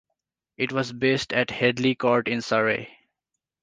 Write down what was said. It was based at Headley Court in Surrey.